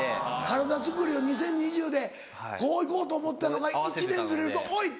体づくりを２０２０でこう行こうと思ったのが１年ずれるとおい！